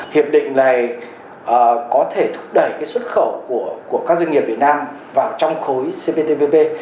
hiệp định này có thể thúc đẩy xuất khẩu của các doanh nghiệp việt nam vào trong khối cptpp